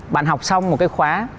bạn học xong một cái khóa